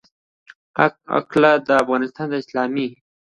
هکله، د افغانستان د اسلامي